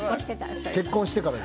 結婚してから？